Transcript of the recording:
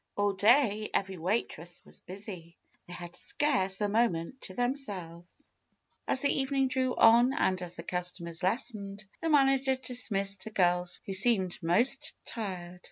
All day every waitress was busy. They had scarce a moment to themselves. As the evening drew on, and as the customers lessened, the manager dismissed the girls who seemed most tired.